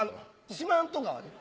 四万十川？